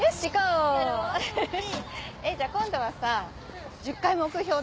じゃあ今度はさ１０回目標だよ。